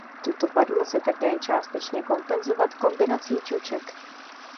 Tuto vadu lze také částečně kompenzovat kombinací čoček.